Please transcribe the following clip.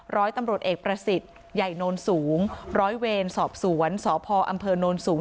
ร้อยตำรวจเอกประสิทธิ์ใหญ่โนนสูงร้อยเวรสอบสวนสพอำเภอโนนสูง